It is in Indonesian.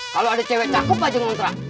kalau ada cewek cakup aja ngontrak